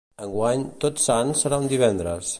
Enguany, Tots Sants serà un divendres.